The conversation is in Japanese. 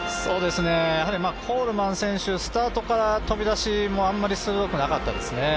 コールマン選手スタートから飛び出しもあまり鋭くなかったですね。